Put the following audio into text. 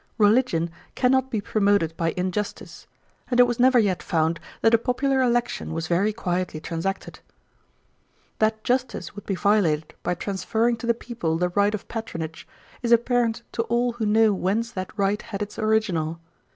Religion cannot be promoted by injustice: and it was never yet found that a popular election was very quietly transacted. 'That justice would be violated by transferring to the people the right of patronage, is apparent to all who know whence that right had its original.